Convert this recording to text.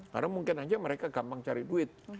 karena mungkin aja mereka gampang cari duit